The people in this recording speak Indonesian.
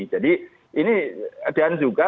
jadi ini dan juga